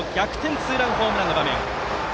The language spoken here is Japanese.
ツーランホームランの場面。